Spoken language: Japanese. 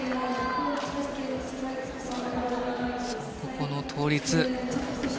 ここの倒立。